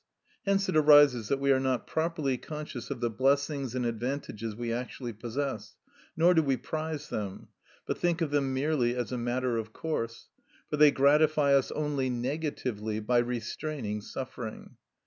Hence it arises that we are not properly conscious of the blessings and advantages we actually possess, nor do we prize them, but think of them merely as a matter of course, for they gratify us only negatively by restraining suffering.